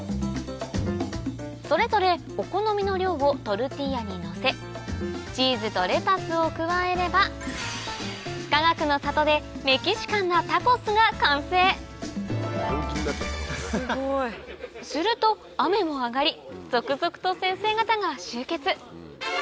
それぞれお好みの量をトルティーヤにのせチーズとレタスを加えればかがくの里でメキシカンなタコスが完成すると雨も上がり続々と先生方が集結